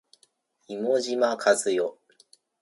妹島和世